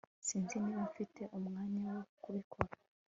Sinzi niba mfite umwanya wo kubikora